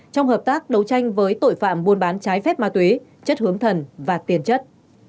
trong hợp tác đấu tranh với tội phạm buôn bán trái phép ma túy chất hướng thần và tiền chất